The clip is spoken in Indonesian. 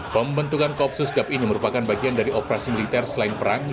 pembentukan kopsus gap ini merupakan bagian dari operasi yang diperlukan oleh tni